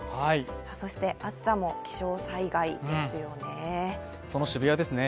そして、暑さも気象災害ですよね。